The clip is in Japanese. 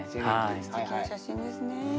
すてきな写真ですね。